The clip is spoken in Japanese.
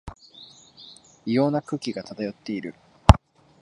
異様な空気が漂っている